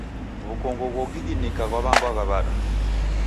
W'ukongo ghogiginika ghwaw'angwagha w'ada?